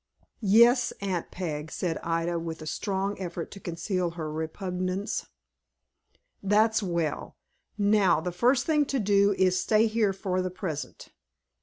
"Yes, Aunt Peg," said Ida, with a strong effort to conceal her repugnance. "That's well. Now the first thing to do, is to stay here for the present."